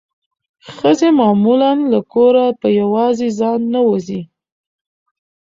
ښځې معمولا له کوره په یوازې ځان نه وځي.